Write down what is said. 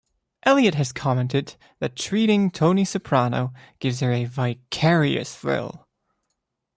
Elliot has commented that treating Tony Soprano gives her a vicarious thrill.